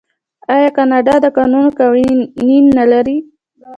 آیا کاناډا د کانونو قوانین نلري؟